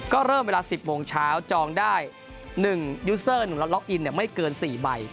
ก็เริ่มเวลา๑๐โมงเช้าจองได้๑ยูเซอร์๑และล็อกอินไม่เกิน๔ใบ